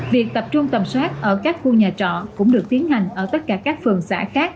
việc tập trung tầm soát ở các khu nhà trọ cũng được tiến hành ở tất cả các phường xã khác